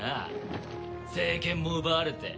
聖剣も奪われて。